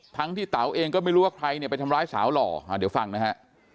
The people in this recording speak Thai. ทั้งที่เต๋าเองก็ไม่รู้ว่าใครเนี่ยไปทำร้ายสาวหล่อเดี๋ยวฟังนะฮะ